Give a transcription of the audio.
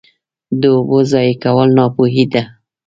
د اوبو ضایع کول ناپوهي ده.